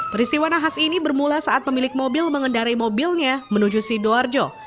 peristiwa nahas ini bermula saat pemilik mobil mengendarai mobilnya menuju sidoarjo